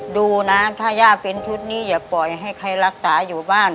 ดูนะถ้าย่าเป็นชุดนี้อย่าปล่อยให้ใครรักษาอยู่บ้าน